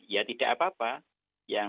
ya tidak apa apa yang khawatir tetap belajar